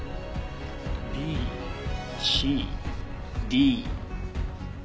ＢＣＤＡ。